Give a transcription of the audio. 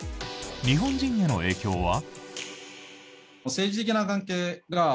日本人への影響は？